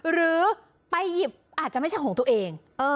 หรือไปหยิบอาจจะไม่ใช่ของตัวเอง